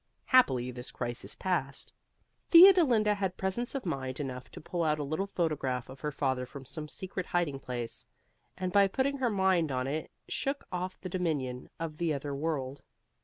Happily this crisis passed. Theodolinda had presence of mind enough to pull out a little photograph of her father from some secret hiding place, and by putting her mind on it shook off the dominion of the other world.